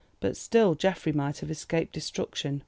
But still Geoffrey might have escaped destruction.